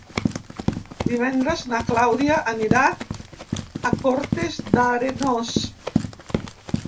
Divendres na Clàudia anirà a Cortes d'Arenós.